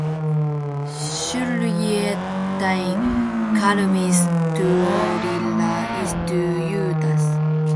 Syrjittäin karmituolilla istuu Juutas.